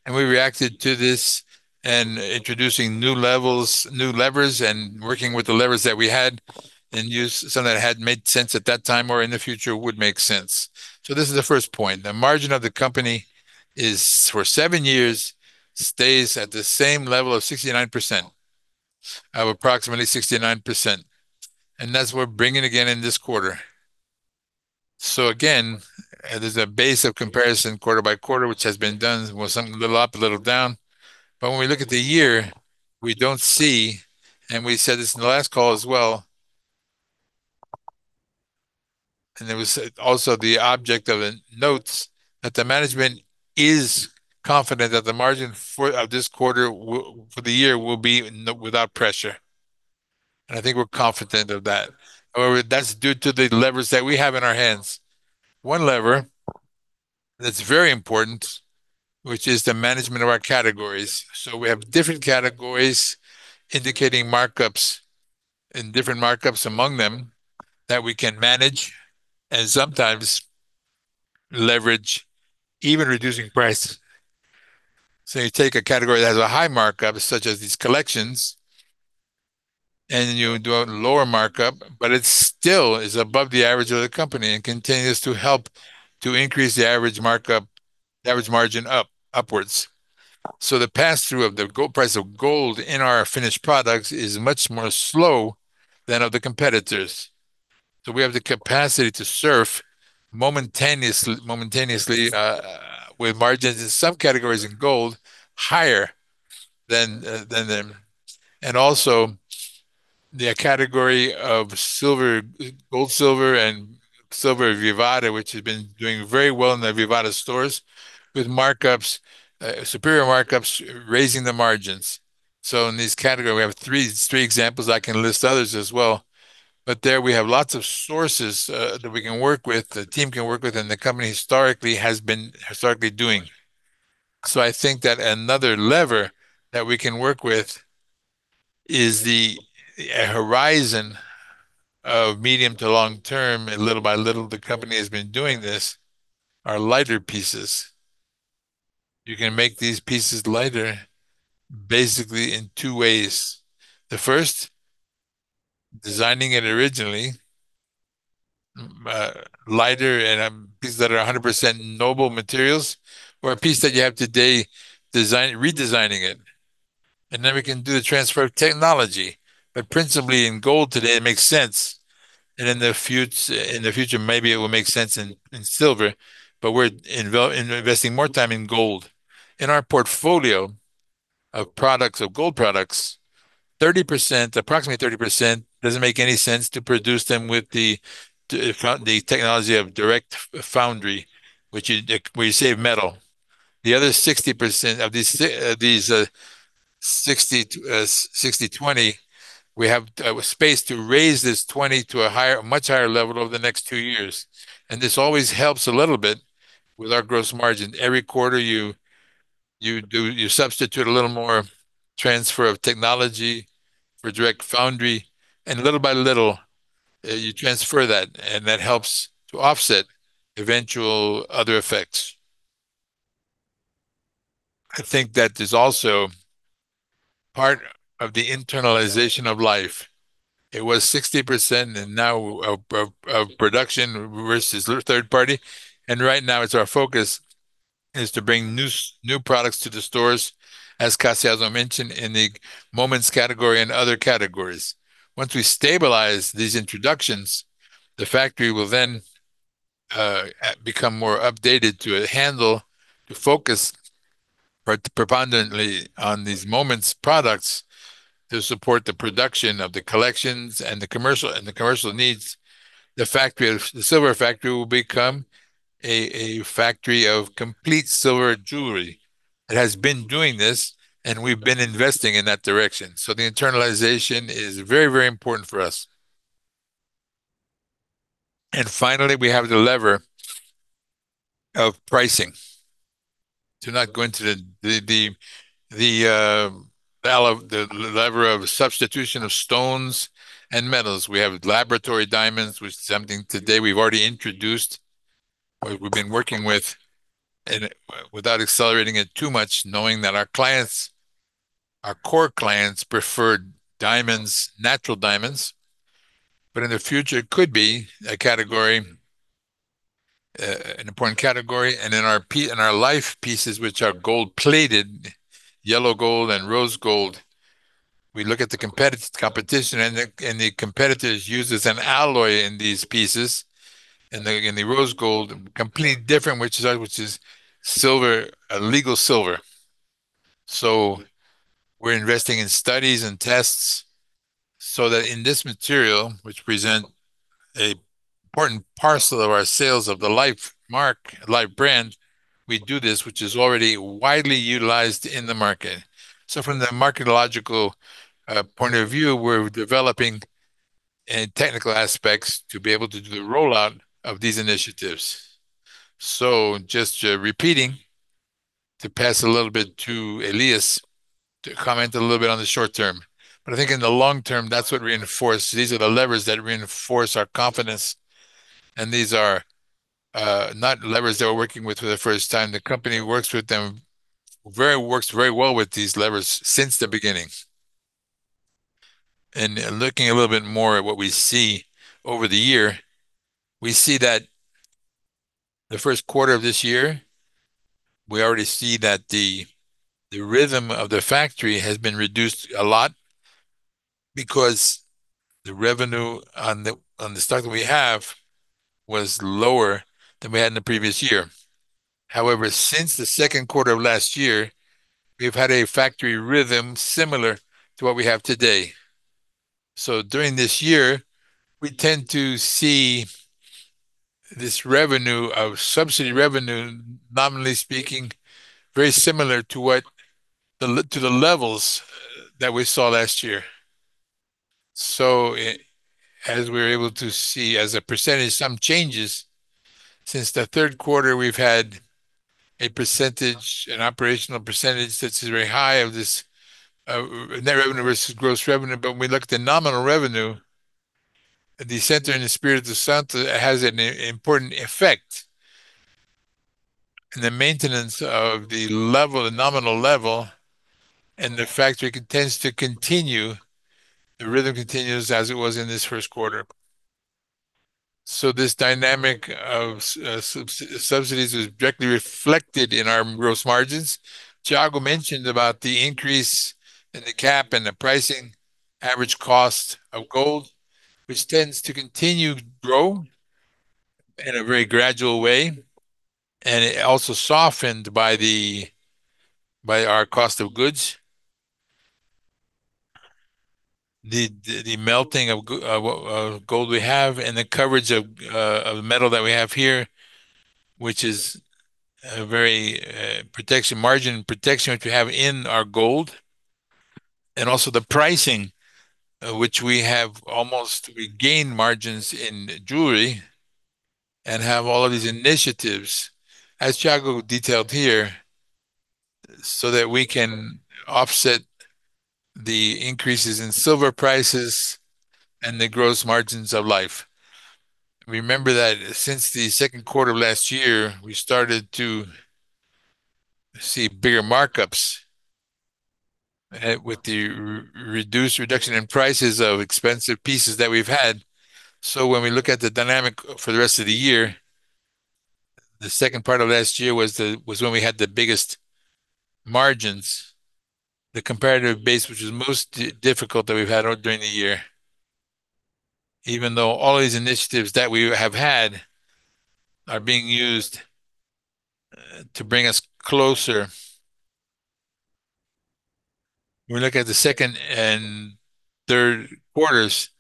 and we reacted to this in introducing new levels, new levers, and working with the levers that we had and use some that hadn't made sense at that time or in the future would make sense. This is the first point. The margin of the company is, for seven years, stays at the same level of 69%, of approximately 69%, and that's what we're bringing again in this quarter. Again, there's a base of comparison quarter by quarter which has been done with some a little up, a little down. When we look at the year, we don't see, and we said this in the last call as well, and it was also the object of the notes, that the management is confident that the margin for this quarter for the year will be without pressure. I think we're confident of that. However, that's due to the levers that we have in our hands. One lever that's very important, which is the management of our categories. We have different categories indicating markups and different markups among them that we can manage and sometimes leverage even reducing price. You take a category that has a high markup, such as these collections, and you do a lower markup, but it still is above the average of the company and continues to help to increase the average markup, the average margin up, upwards. The pass-through of the gold price of gold in our finished products is much more slow than of the competitors. We have the capacity to surf momentaneously with margins in some categories in gold higher than them. Also the category of silver, gold, silver and Vivara Prata, which has been doing very well in the Vivara stores with markups, superior markups, raising the margins. In these category, we have three examples. I can list others as well. There we have lots of sources that we can work with, the team can work with, and the company historically has been doing. I think that another lever that we can work with is the horizon of medium to long-term, and little by little the company has been doing this, are lighter pieces. You can make these pieces lighter basically in two ways. The first, designing it originally lighter and pieces that are 100% noble materials, or a piece that you have today redesigning it, and then we can do the transfer of technology. Principally in gold today, it makes sense, and in the future, maybe it will make sense in silver, but we're investing more time in gold. In our portfolio of products, of gold products, 30%, approximately 30% doesn't make any sense to produce them with the technology of direct foundry, which you save metal. The other 60% of these 60/20, we have space to raise this 20 to a higher, much higher level over the next two years, and this always helps a little bit with our gross margin. Every quarter you substitute a little more transfer of technology for direct foundry, and little by little, you transfer that, and that helps to offset eventual other effects. I think that is also part of the internalization of Life by Vivara. It was 60% and now of production versus third party, and right now it's our focus is to bring new products to the stores, as Cassiano mentioned, in the Moments category and other categories. Once we stabilize these introductions, the factory will then become more updated to handle, to focus preponderantly on these Moments products to support the production of the collections and the commercial needs. The silver factory will become a factory of complete silver jewelry that has been doing this, and we've been investing in that direction. The internalization is very important for us. Finally, we have the lever of pricing. To not go into the lever of substitution of stones and metals. We have laboratory diamonds, which is something today we've already introduced. We've been working with and without accelerating it too much, knowing that our clients, our core clients preferred diamonds, natural diamonds, in the future could be a category, an important category. In our Life pieces, which are gold-plated, yellow gold and rose gold, we look at the competition and the competitors uses an alloy in these pieces. In the rose gold, completely different, which is silver, alloyed silver. We're investing in studies and tests so that in this material, which present a important parcel of our sales of the Life brand, we do this, which is already widely utilized in the market. From the market logical point of view, we're developing technical aspects to be able to do the rollout of these initiatives. Just repeating, to pass a little bit to Elias to comment a little bit on the short term. I think in the long term, that's what these are the levers that reinforce our confidence, and these are not levers that we're working with for the first time. The company works very well with these levers since the beginning. Looking a little bit more at what we see over the year, we see that the first quarter of this year, we already see that the rhythm of the factory has been reduced a lot because the revenue on the stock that we have was lower than we had in the previous year. Since the second quarter of last year, we've had a factory rhythm similar to what we have today. During this year, we tend to see this revenue subsidy revenue, nominally speaking, very similar to what the levels that we saw last year. As we're able to see as a percentage, some changes. Since the 3rd quarter, we've had a percentage, an operational percentage that is very high of this net revenue versus gross revenue. When we look at the nominal revenue, the center in the Espírito Santo has an important effect in the maintenance of the level, the nominal level, and the factory tends to continue, the rhythm continues as it was in this 1st quarter. This dynamic of subsidies is directly reflected in our gross margins. Thiago mentioned about the increase in the cap and the pricing average cost of gold, which tends to continue to grow in a very gradual way, and it also softened by our cost of goods. The melting of gold we have and the coverage of metal that we have here, which is a very protection margin which we have in our gold. Also the pricing which we have almost regained margins in jewelry and have all of these initiatives, as Thiago detailed here, so that we can offset the increases in silver prices and the gross margins of Life. Remember that since the 2nd quarter of last year, we started to see bigger markups with the reduced reduction in prices of expensive pieces that we've had. When we look at the dynamic for the rest of the year, the second part of last year was when we had the biggest margins, the comparative base which was most difficult that we've had during the year. Even though all these initiatives that we have had are being used to bring us closer. We look at the second and third quarters,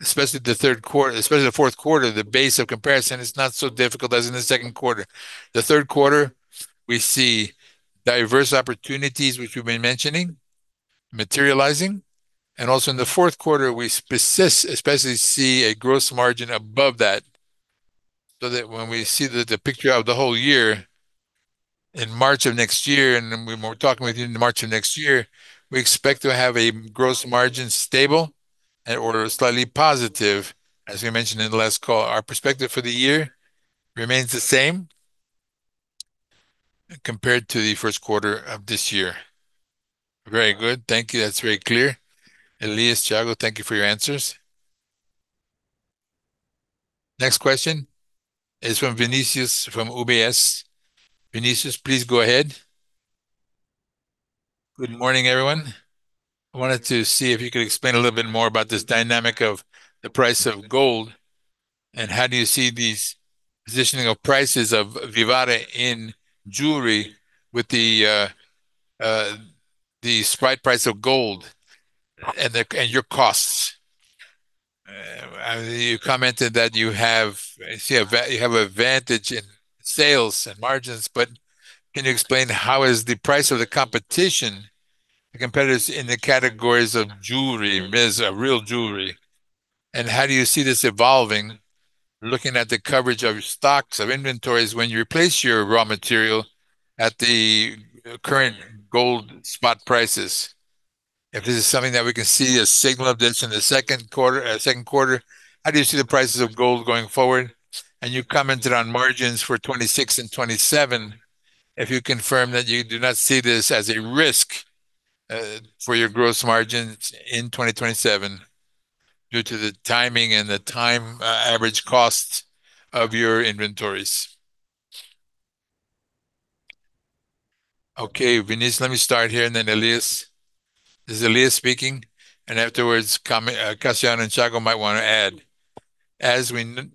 especially the fourth quarter, the base of comparison is not so difficult as in the second quarter. The 3rd quarter, we see diverse opportunities, which we've been mentioning, materializing, and also in the 4th quarter, we especially see a gross margin above that, so that when we see the picture of the whole year in March of next year, and then when we're talking with you in March of next year, we expect to have a gross margin stable or slightly positive. As we mentioned in the last call, our perspective for the year remains the same compared to the 1st quarter of this year. Very good. Thank you. That's very clear. Elias, Thiago, thank you for your answers. Next question is from Vinicius from UBS. Vinicius, please go ahead. Good morning, everyone. I wanted to see if you could explain a little bit more about this dynamic of the price of gold, and how do you see these positioning of prices of Vivara in jewelry with the spike price of gold and your costs? You commented that you have, let's see, you have advantage in sales and margins, but can you explain how is the price of the competition, the competitors in the categories of jewelry, sterling silver jewelry, and how do you see this evolving looking at the coverage of stocks, of inventories when you replace your raw material at the current gold spot prices? If this is something that we can see a signal of this in the second quarter, how do you see the prices of gold going forward? You commented on margins for 2026 and 2027. If you confirm that you do not see this as a risk, for your gross margins in 2027 due to the timing and the time average cost of your inventories. Okay. Vinicius, let me start here, and then Elias. This is Elias speaking, afterwards Cassiano and Thiago might wanna add. As we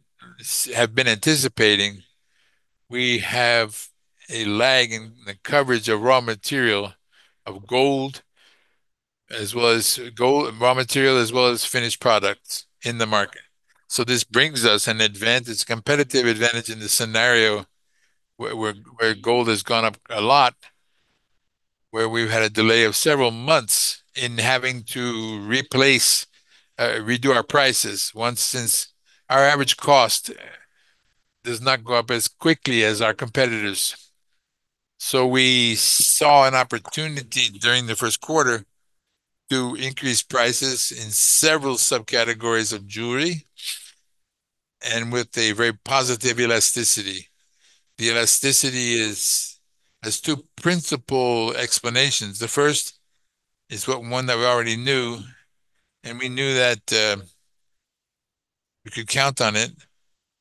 have been anticipating, we have a lag in the coverage of raw material of gold, as well as gold raw material, as well as finished products in the market. This brings us an advantage, competitive advantage in the scenario where gold has gone up a lot, where we've had a delay of several months in having to replace, redo our prices once, since our average cost does not go up as quickly as our competitors. We saw an opportunity during the first quarter to increase prices in several subcategories of jewelry, and with a very positive elasticity. The elasticity has two principal explanations. The first is what one that we already knew, and we knew that we could count on it,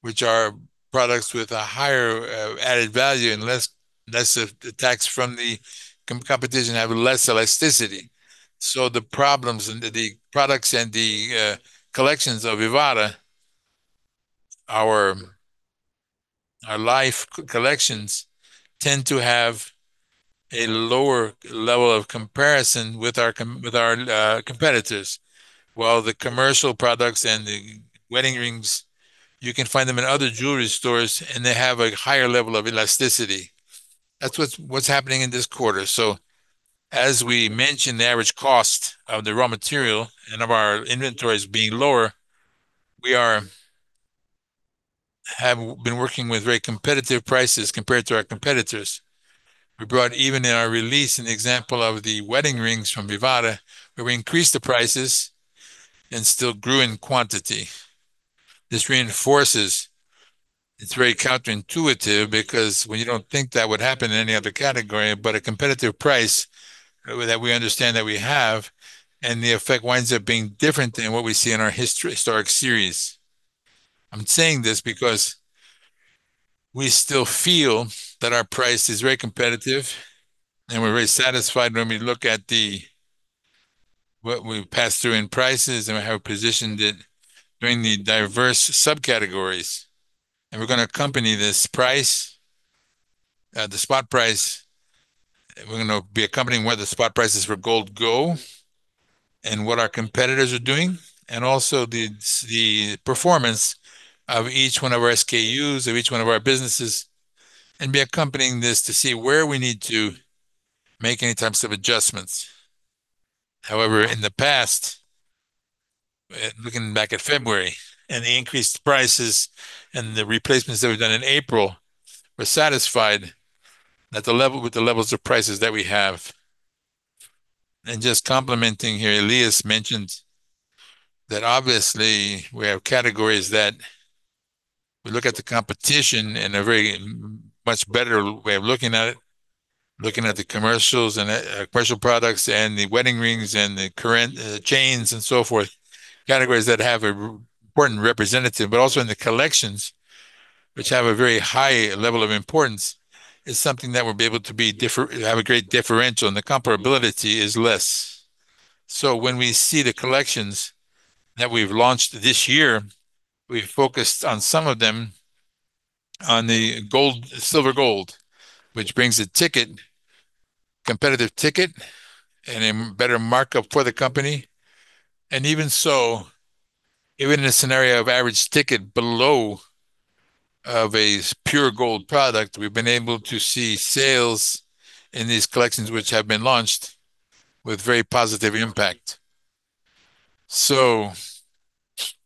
which are products with a higher added value and less of attacks from the competition, have less elasticity. The problems and the products and the collections of Vivara, our Life collections tend to have a lower level of comparison with our competitors. While the commercial products and the wedding rings, you can find them in other jewelry stores, and they have a higher level of elasticity. That's what's happening in this quarter. As we mentioned, the average cost of the raw material and of our inventories being lower, we have been working with very competitive prices compared to our competitors. We brought, even in our release, an example of the wedding rings from Vivara, where we increased the prices and still grew in quantity. This reinforces it's very counterintuitive because when you don't think that would happen in any other category, but a competitive price that we understand that we have, and the effect winds up being different than what we see in our historic series. I'm saying this because we still feel that our price is very competitive, and we're very satisfied when we look at the, what we've passed through in prices and how we positioned it during the diverse subcategories. We're gonna accompany this price, the spot price, we're gonna be accompanying where the spot prices for gold go and what our competitors are doing. Also the performance of each one of our SKUs, of each one of our businesses, and be accompanying this to see where we need to make any types of adjustments. However, in the past, looking back at February and the increased prices and the replacements that were done in April, we're satisfied with the levels of prices that we have. Just complimenting here, Elias mentioned that obviously we have categories that we look at the competition in a very much better way of looking at it, looking at the commercials and commercial products and the wedding rings and the current chains and so forth, categories that have a important representative. Also in the collections which have a very high level of importance, is something that we'll be able to have a great differential, and the comparability is less. When we see the collections that we've launched this year, we've focused on some of them on the gold, silver/gold, which brings a competitive ticket and a better markup for the company. Even so, even in a scenario of average ticket below of a pure gold product, we've been able to see sales in these collections which have been launched with very positive impact.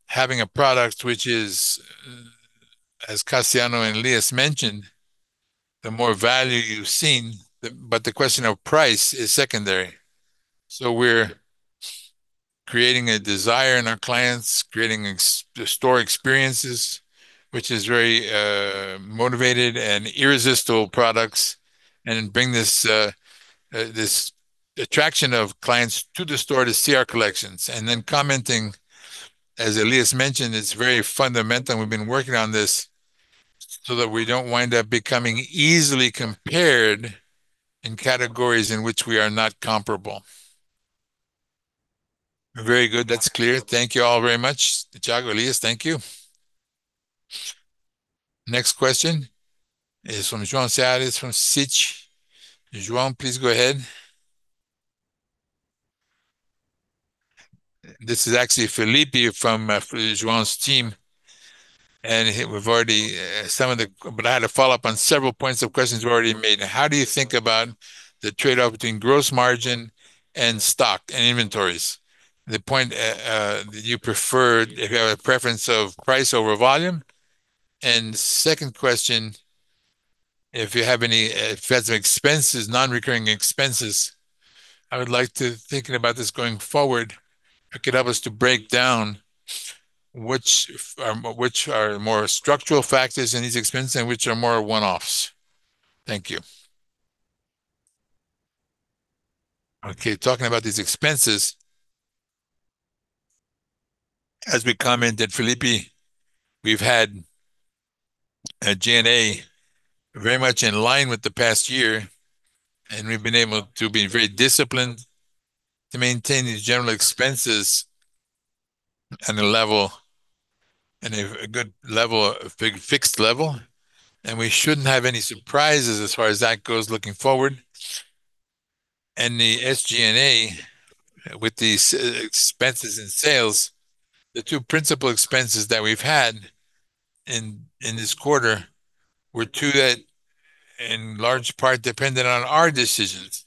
Having a product which is, as Cassiano and Elias mentioned, the more value you've seen, but the question of price is secondary. We're creating a desire in our clients, creating store experiences, which is very motivated and irresistible products, and bring this attraction of clients to the store to see our collections. Commenting, as Elias mentioned, it's very fundamental, and we've been working on this so that we don't wind up becoming easily compared in categories in which we are not comparable. Very good. That's clear. Thank you all very much. Thiago, Elias, thank you. Next question is from João Soares from Citi. João, please go ahead. This is actually Felipe from João's team, and I had a follow-up on several points of questions you already made. How do you think about the trade-off between gross margin and stock and inventories? The point, do you prefer? If you have a preference of price over volume? Second question, if you have any, if you have some expenses, non-recurring expenses, I would like to thinking about this going forward, it could help us to break down which are more structural factors in these expenses and which are more one-offs. Thank you. Talking about these expenses, as we commented, Felipe, we've had a G&A very much in line with the past year, and we've been able to be very disciplined to maintain these general expenses at a level, in a good level, a fixed level, and we shouldn't have any surprises as far as that goes looking forward. The SG&A with these expenses and sales, the two principal expenses that we've had in this quarter were two that in large part depended on our decisions.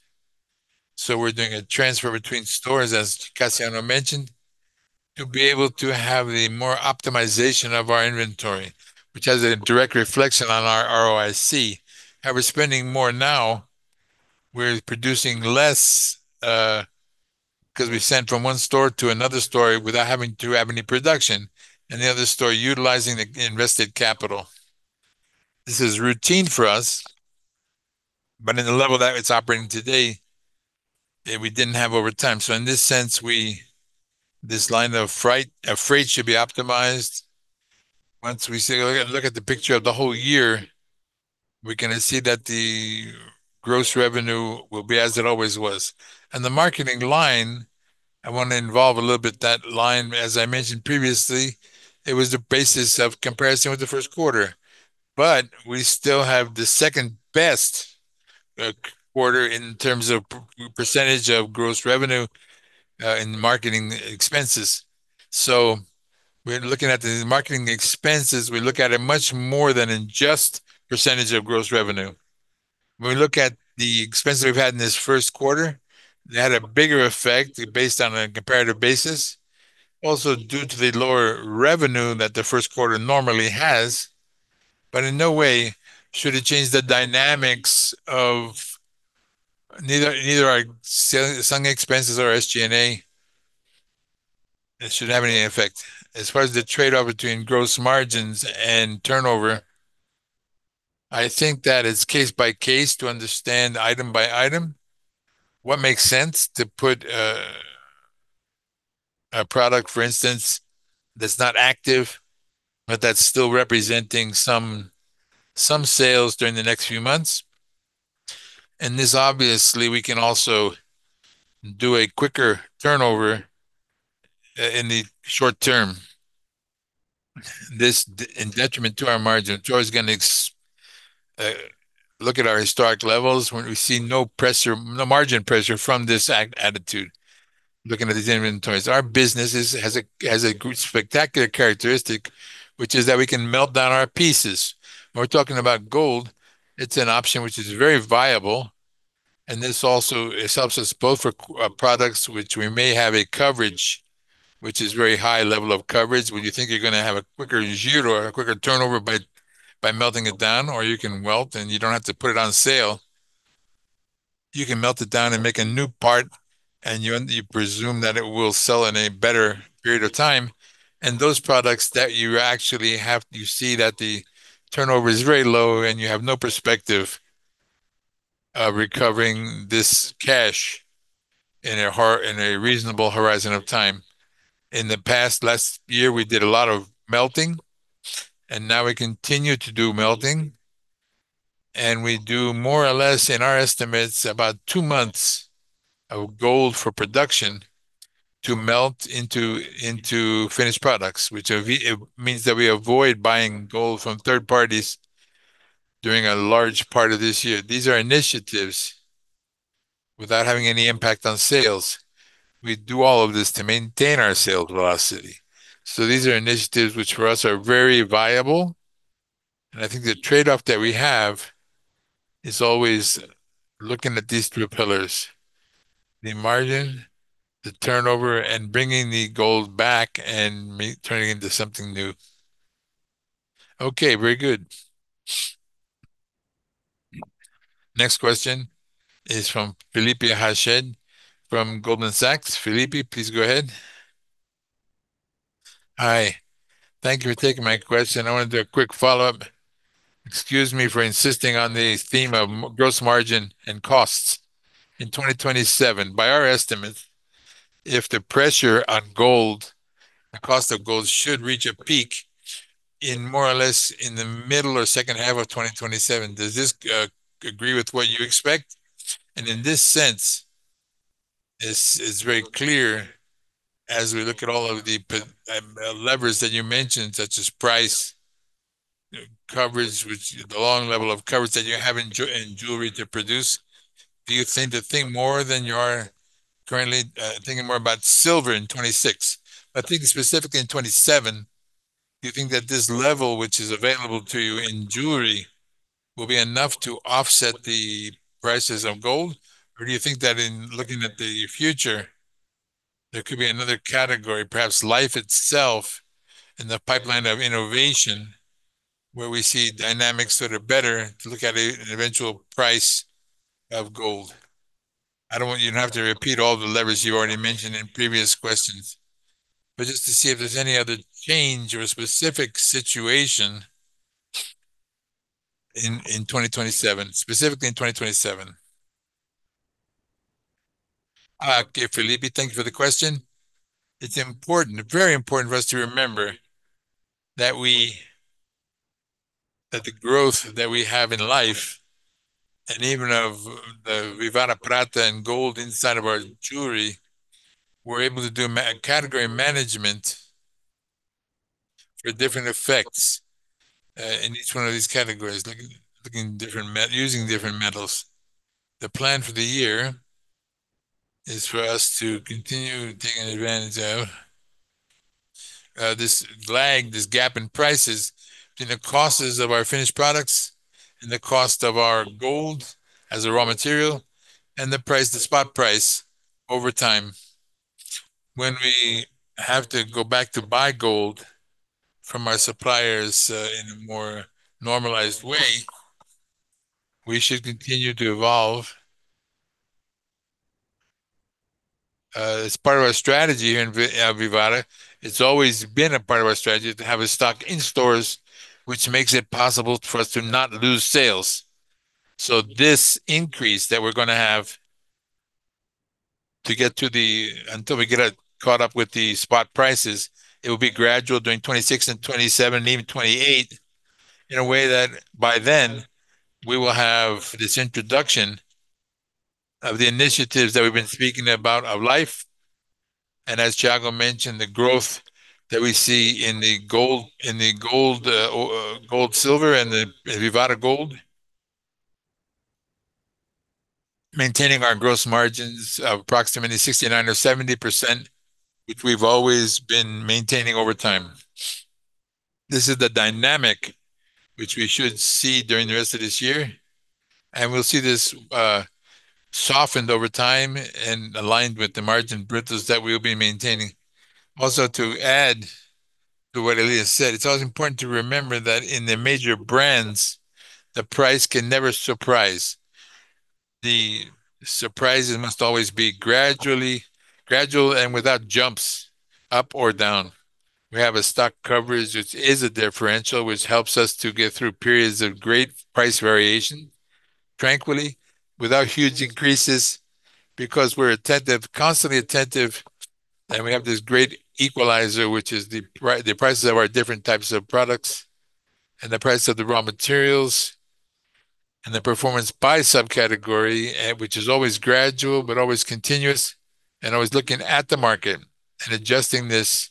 We're doing a transfer between stores, as Cassiano mentioned, to be able to have a more optimization of our inventory, which has a direct reflection on our ROIC. How we're spending more now, we're producing less, 'cause we sent from one store to another store without having to have any production, and the other store utilizing the invested capital. This is routine for us, but in the level that it's operating today, that we didn't have over time. In this sense, this line of freight should be optimized. Once we look at the picture of the whole year, we're gonna see that the gross revenue will be as it always was. The marketing line, I wanna involve a little bit that line. As I mentioned previously, it was the basis of comparison with the first quarter. We still have the second-best quarter in terms of % of gross revenue in the marketing expenses. We're looking at the marketing expenses, we look at it much more than in just % of gross revenue. When we look at the expenses we've had in this first quarter, they had a bigger effect based on a comparative basis, also due to the lower revenue that the first quarter normally has. In no way should it change the dynamics of neither our selling expenses or SG&A, it shouldn't have any effect. As far as the trade-off between gross margins and turnover, I think that it's case by case to understand item by item what makes sense to put a product, for instance, that's not active, but that's still representing some sales during the next few months. This obviously, we can also do a quicker turnover in the short term. In detriment to our margin. João is gonna look at our historic levels when we see no pressure, no margin pressure from this attitude looking at these inventories. Our business has a spectacular characteristic, which is that we can melt down our pieces. When we're talking about gold, it's an option which is very viable, and this also, this helps us both for products which we may have a coverage, which is very high level of coverage. When you think you're gonna have a quicker giro or a quicker turnover by melting it down, or you can melt and you don't have to put it on sale. You can melt it down and make a new part, and you presume that it will sell in a better period of time. Those products that you actually have, you see that the turnover is very low and you have no perspective of recovering this cash in a reasonable horizon of time. In the past, last year, we did a lot of melting, and now we continue to do melting, and we do more or less, in our estimates, about two months of gold for production to melt into finished products, which it means that we avoid buying gold from third parties during a large part of this year. These are initiatives without having any impact on sales. We do all of this to maintain our sales velocity. These are initiatives which for us are very viable, and I think the trade-off that we have is always looking at these three pillars, the margin, the turnover, and bringing the gold back and turning into something new. Okay, very good. Next question is from Felipe Rached from Goldman Sachs. Felipe, please go ahead. Hi. Thank you for taking my question. I wanted to do a quick follow-up. Excuse me for insisting on the theme of gross margin and costs. In 2027, by our estimate, if the pressure on gold, the cost of gold should reach a peak in more or less in the middle or second half of 2027. Does this agree with what you expect? In this sense, it's very clear as we look at all of the levers that you mentioned, such as price, coverage, which the long level of coverage that you have in jewelry to produce. Do you think the thing more than you are currently thinking more about silver in 2026? Thinking specifically in 2027, do you think that this level which is available to you in jewelry will be enough to offset the prices of gold? Do you think that in looking at the future, there could be another category, perhaps Life itself in the pipeline of innovation where we see dynamics that are better to look at an eventual price of gold? I don't want you to have to repeat all the levers you already mentioned in previous questions, but just to see if there's any other change or a specific situation in 2027, specifically in 2027. Okay, Felipe, thank you for the question. It's important, very important for us to remember that the growth that we have in Life and even of the Vivara Prata and gold inside of our jewelry, we're able to do a category management for different effects in each one of these categories, looking different using different metals. The plan for the year is for us to continue taking advantage of this lag, this gap in prices between the costs of our finished products and the cost of our gold as a raw material, and the price, the spot price over time. When we have to go back to buy gold from our suppliers, in a more normalized way, we should continue to evolve. As part of our strategy here in Vivara, it's always been a part of our strategy to have a stock in stores which makes it possible for us to not lose sales. This increase that we're gonna have to get to until we get caught up with the spot prices, it will be gradual during 2026 and 2027, and even 2028 in a way that by then we will have this introduction of the initiatives that we've been speaking about of Life, and as Thiago mentioned, the growth that we see in the gold, silver and the Vivara gold, maintaining our gross margins of approximately 69% or 70%, which we've always been maintaining over time. This is the dynamic which we should see during the rest of this year, and we'll see this softened over time and aligned with the margens brutas that we'll be maintaining. To add to what Elias Leal said, it's always important to remember that in the major brands, the price can never surprise. The surprises must always be gradually, gradual and without jumps up or down. We have a stock coverage which is a differential which helps us to get through periods of great price variation tranquilly without huge increases because we're attentive, constantly attentive, and we have this great equalizer, which is the prices of our different types of products and the price of the raw materials and the performance by sub-category, which is always gradual but always continuous, and always looking at the market and adjusting this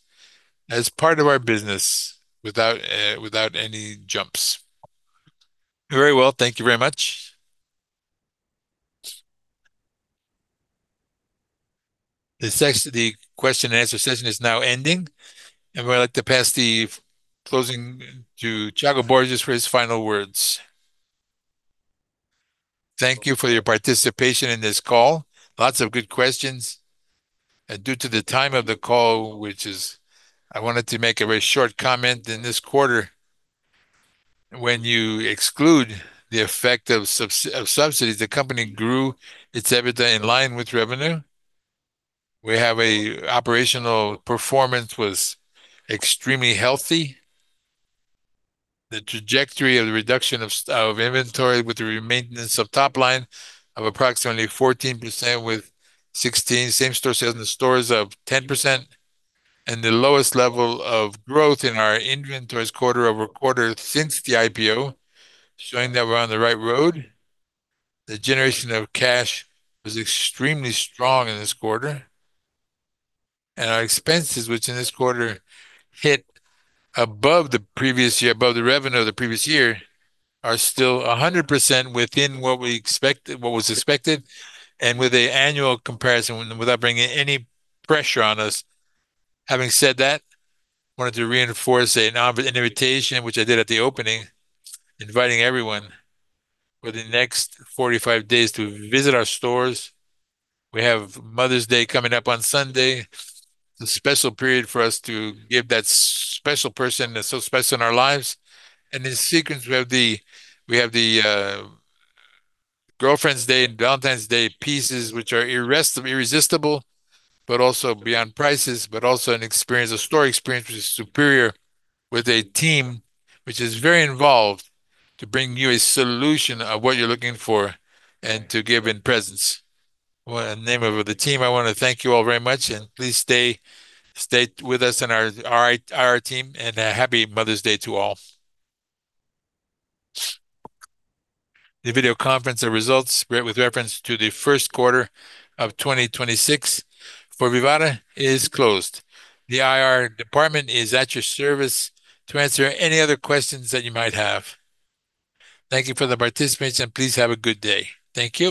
as part of our business without any jumps. Very well. Thank you very much. The question and answer session is now ending, and we'd like to pass the closing to Thiago Borges for his final words. Thank you for your participation in this call. Lots of good questions. Due to the time of the call, which is I wanted to make a very short comment. In this quarter, when you exclude the effect of subsidies, the company grew its EBITDA in line with revenue. We have a operational performance was extremely healthy. The trajectory of the reduction of inventory with the maintenance of top line of approximately 14% with 16 same-store sales in the stores of 10%, and the lowest level of growth in our inventories quarter-over-quarter since the IPO, showing that we're on the right road. The generation of cash was extremely strong in this quarter. Our expenses, which in this quarter hit above the previous year, above the revenue of the previous year, are still 100% within what we expected, what was expected, and with a annual comparison without bringing any pressure on us. Having said that, wanted to reinforce an invitation, which I did at the opening, inviting everyone for the next 45 days to visit our stores. We have Mother's Day coming up on Sunday. It's a special period for us to give that special person that's so special in our lives. In sequence we have the Girlfriend's Day and Valentine's Day pieces, which are irresistible, also beyond prices, also an experience, a store experience which is superior with a team which is very involved to bring you a solution of what you're looking for and to give in presents. Well, in the name of the team, I wanna thank you all very much, please stay with us and our team, a Happy Mother's Day to all. The video conference of results with reference to the first quarter of 2026 for Vivara is closed. The IR department is at your service to answer any other questions that you might have. Thank you for the participation. Please have a good day. Thank you.